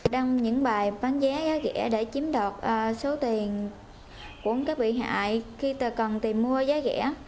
đăng những bài bán vé giá rẻ để chiếm đoạt số tiền của các bị hại khi cần tìm mua giá rẻ